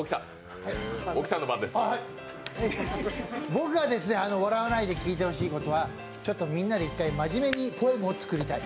僕が笑わないで聞いてほしいことは、みんなで一回ポエムを作りたい。